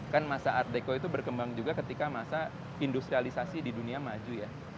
kan masa art deko itu berkembang juga ketika masa industrialisasi di dunia maju ya